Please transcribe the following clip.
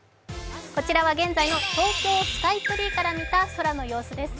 こちらは現在の東京スカイツリーから見た空の様子です。